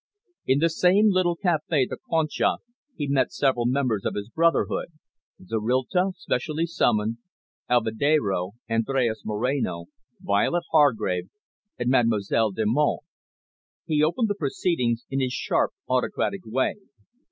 In the same little cafe, the "Concha," he met several members of the brotherhood, Zorrilta, specially summoned, Alvedero, Andres Moreno, Violet Hargrave, and Mademoiselle Delmonte. He opened the proceedings in his sharp, autocratic way.